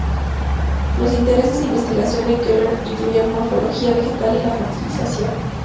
Los intereses de investigación de Keller incluían morfología vegetal y la fertilización.